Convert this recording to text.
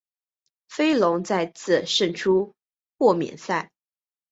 飞龙再次胜出豁免赛。